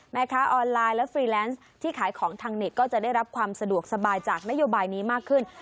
แม่ค้าออนไลน์และฟรีแลนซ์ที่ขายของทางเน็ตก็จะได้รับความสะดวกสบายจากนโยบายนี้มากขึ้น